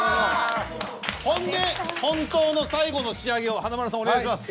ほんで本当の最後の仕上げを華丸さんお願いします！